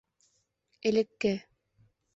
«Элекке!»